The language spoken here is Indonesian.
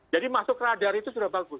jadi masuk radar itu sudah bagus